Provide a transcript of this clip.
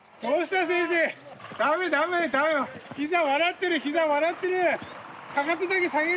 膝笑ってる膝笑ってる。